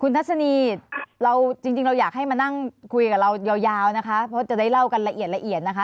ทัศนีเราจริงเราอยากให้มานั่งคุยกับเรายาวนะคะเพราะจะได้เล่ากันละเอียดละเอียดนะคะ